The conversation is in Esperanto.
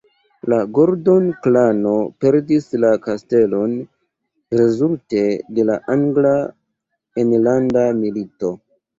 La Gordon-klano perdis la kastelon rezulte de la angla enlanda milito.